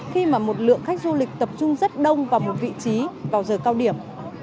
khi mà một lượng khách du lịch tập trung rất đông vào một vị trí vào giờ cao điểm